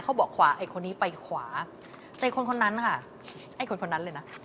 เขาบอกขวาไอ้คนนี้ไปขวาแต่คนคนนั้นค่ะ